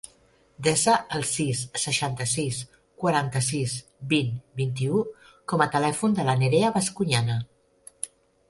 Desa el sis, seixanta-sis, quaranta-sis, vint, vint-i-u com a telèfon de la Nerea Bascuñana.